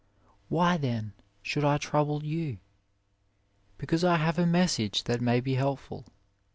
Why then should I trouble you ? Because I have a message that may be helpful.